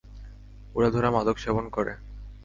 উড়াধুরা মাদক সেবন করে।